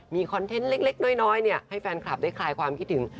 มีคอนเทนต์เล็กน้อยให้แฟนคลับได้คลายความคิดถึง